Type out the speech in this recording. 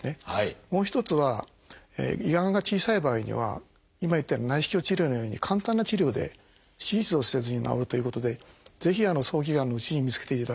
もう一つは胃がんが小さい場合には今言ったように内視鏡治療のように簡単な治療で手術をせずに治るということでぜひ早期がんのうちに見つけていただきたいと思います。